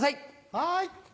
はい。